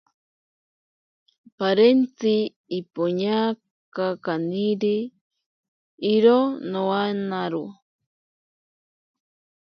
Parentzi ipoña kaniri iro nowanaro.